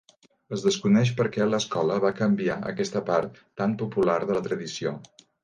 Es desconeix per què l'escola va canviar aquesta part tan popular de la tradició.